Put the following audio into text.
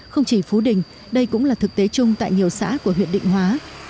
không chỉ phú đình đây cũng là thực tế chung tại nhiều xã của huyện định hóa